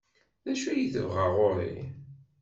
D acu ay tebɣa ɣer-i?